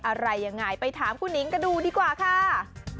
อะไรยังไงไปถามคุณหิงกันดูดีกว่าค่ะ